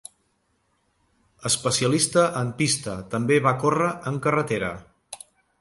Especialista en pista, també va córrer en carretera.